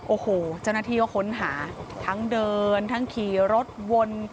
โอ้โหเจ้าหน้าที่ก็ค้นหาทั้งเดินทั้งขี่รถวน